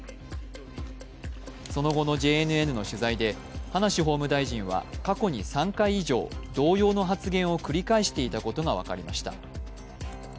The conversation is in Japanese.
その後のＪＮＮの取材で葉梨法務大臣は過去に３回以上同様の発言を繰り返していたことが分かりました。